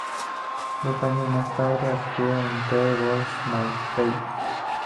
Dos años más tarde, actuó en "There Goes My Baby".